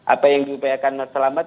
apa yang diupayakan mas selamet